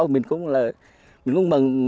mình cũng mừng